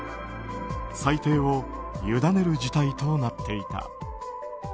裁定を委ねる事態となっていた。